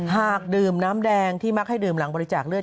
หากดื่มน้ำแดงที่มักให้ดื่มหลังบริจาคเลือด